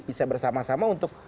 bisa bersama sama untuk